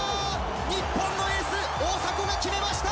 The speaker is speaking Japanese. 日本のエース大迫が決めました！